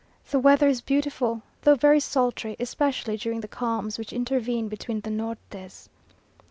The weather is beautiful, though very sultry, especially during the calms which intervene between the nortes.